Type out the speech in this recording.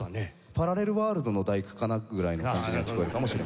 パラレルワールドの『第九』かな？ぐらいの感じには聴こえるかもしれません。